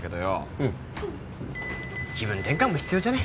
うん気分転換も必要じゃね？